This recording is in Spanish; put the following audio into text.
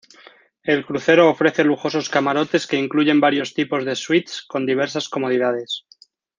El crucero ofrece lujosos camarotes que incluyen varios tipos de suites con diversas comodidades.